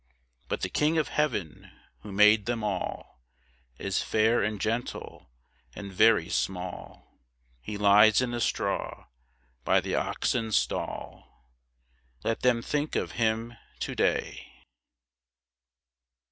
But the King of Heaven, Who made them all, Is fair and gentle, and very small; He lies in the straw, by the oxen's stall Let them think of Him to day!